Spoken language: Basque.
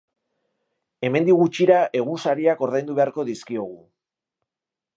Hemendik gutxira egunsariak ordaindu beharko dizkiogu.